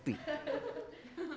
yang lelaki kan rata rata kerja